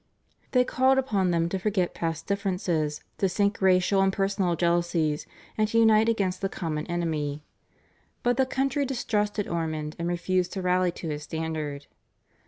They called upon them to forget past differences, to sink racial and personal jealousies, and to unite against the common enemy. But the country distrusted Ormond, and refused to rally to his standard.